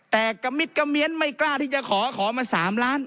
แต่กระมิดกระเมียนไม่กล้าที่จะขอขอมา๓ล้าน